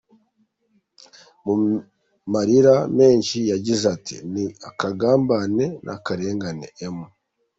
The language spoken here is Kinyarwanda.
Mu marira menshi yagize ati “Ni akagambane, ni akarengane M.